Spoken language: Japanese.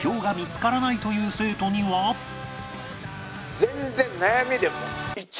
全然悩みでも。